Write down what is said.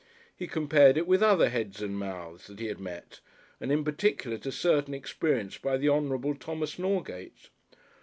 He compared it with other Heads and Mouths that he had met, and in particular to certain experienced by the Hon. Thomas Norgate.